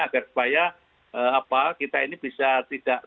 agar supaya kita ini bisa tidak